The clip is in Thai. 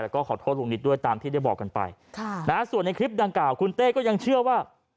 แล้วก็ขอโทษลุงนิดด้วยตามที่ได้บอกกันไปส่วนในคลิปดังกล่าวคุณเต้ก็ยังเชื่อว่า